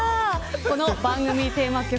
この番組テーマ曲